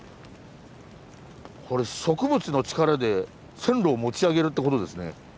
これ植物の力で線路を持ち上げるってことですね。